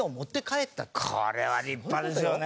これは立派ですよね。